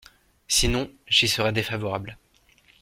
Sinon, j’y serai défavorable.